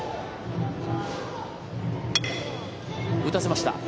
打たせました。